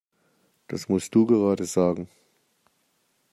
Das musst du gerade sagen!